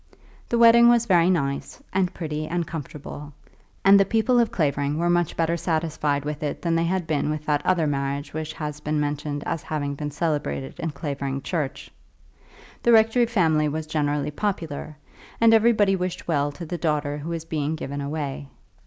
The wedding was very nice, and pretty, and comfortable; and the people of Clavering were much better satisfied with it than they had been with that other marriage which has been mentioned as having been celebrated in Clavering Church. The rectory family was generally popular, and everybody wished well to the daughter who was being given away.